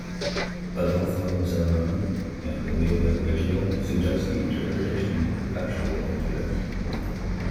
Adolfo Zavaroni and Emilia Reggio suggest the interpretation Perpetual-incubus.